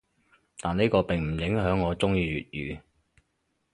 但呢個並唔影響我中意粵語‘